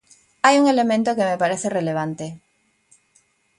Hai un elemento que me parece relevante.